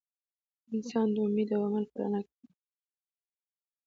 انسان د امید او عمل په رڼا کې پرمختګ کوي.